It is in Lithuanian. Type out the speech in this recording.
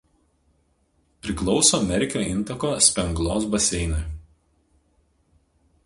Priklauso Merkio intako Spenglos baseinui.